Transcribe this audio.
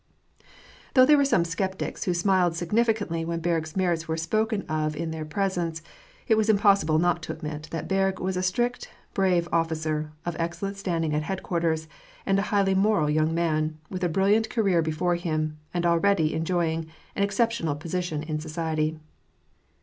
Though there were some sceptics who smiled significantlj when Berg's merits were spoken of in their presence, it was impossible not to admit that Berg was a strict, brave oflScer, of excellent standing at headquarters, and a highly moral young man, with a brilliant career before him, and already enjoying an exceptional position in society.